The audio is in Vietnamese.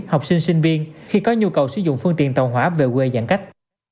học sinh sinh viên khi có nhu cầu sử dụng phương tiện tàu hỏa về quê giãn cách